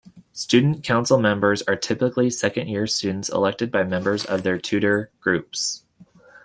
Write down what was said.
Student Council members are typically second-year students elected by members of their tutor groups.